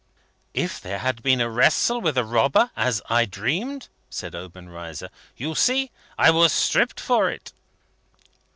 "If there had been a wrestle with a robber, as I dreamed," said Obenreizer, "you see, I was stripped for it."